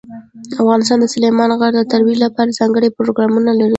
افغانستان د سلیمان غر د ترویج لپاره ځانګړي پروګرامونه لري.